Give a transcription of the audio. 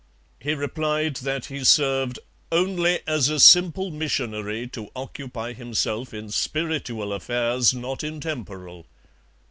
He replied that he served 'only as a simple missionary to occupy himself in spiritual affairs; not in temporal.'